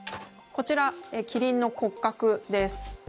こちらキリンの骨格です。